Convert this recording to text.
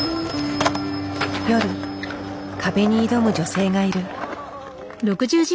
夜壁に挑む女性がいる。